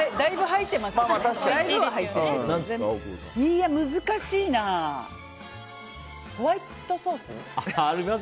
いや、難しいな。ホワイトソース？